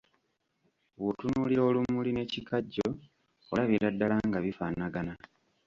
Bw’otunuulira olumuli n’ekikajjo olabira ddala nga bifaanagana.